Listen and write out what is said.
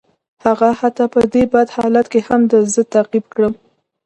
هغه حتی په دې بد حالت کې هم زه تعقیب کړم